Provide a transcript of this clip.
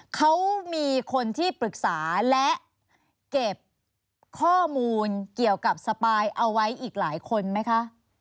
เขามีคนที่ปรึกษาและเก็บข้อมูลเกี่ยวกับสปายเอาไว้อีกหลายคนไหมคะ